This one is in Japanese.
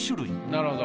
なるほど。